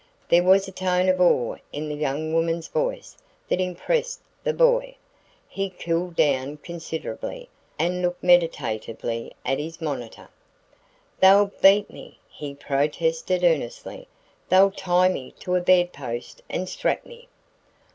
There was a tone of awe in the young woman's voice that impressed the boy. He cooled down considerably and looked meditatively at his monitor. "They'll beat me," he protested earnestly. "They'll tie me to a bed post and strap me."